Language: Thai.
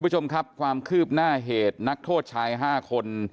คุณผู้ชมครับความคืบหน้าเหตุนักโทษชาย๕คน